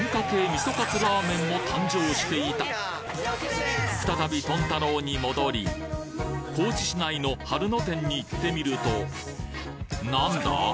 味噌カツラーメンも誕生していた再び高知市内の春野店に行ってみるとなんだ？